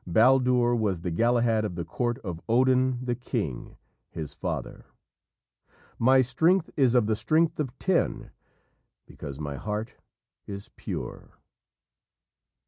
Baldur was the Galahad of the court of Odin the king, his father. "My strength is of the strength of ten, Because my heart is pure."